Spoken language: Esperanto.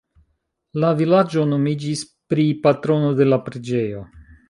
La vilaĝo nomiĝis pri patrono de la preĝejo.